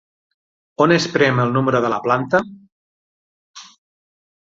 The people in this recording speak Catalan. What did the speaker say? On es prem el número de la planta?